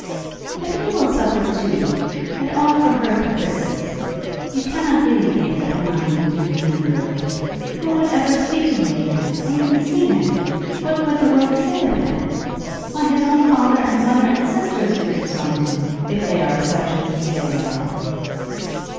"But he will suffer too, and all for her caprices! You cannot really think that her money would do him any good. Who would ever speak to him again, or even see him? What would the world say of him? Why, his own father and mother and sisters would disown him, if they are such as you say they are."